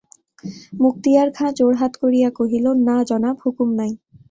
মুক্তিয়ার খাঁ জোড়হাত করিয়া কহিল, না জনাব, হুকুম নাই।